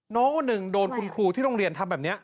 น้องคนหนึ่งโดนคุณครูที่โรงเรียนทำแบบนี้